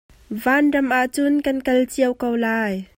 Vanram ahcun kan kal cio ko lai.